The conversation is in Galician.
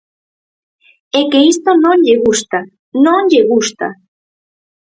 E que isto non lle gusta, non lle gusta.